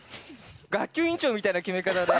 学級委員長みたいな決め方で。